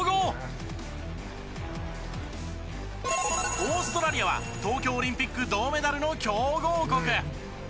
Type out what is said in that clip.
オーストラリアは東京オリンピック銅メダルの強豪国。